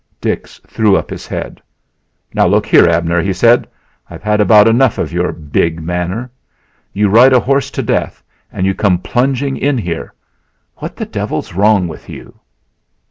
Dix threw up his head. "Now, look here, Abner," he said, "I've had about enough of your big manner. You ride a horse to death and you come plunging in here; what the devil's wrong with you?"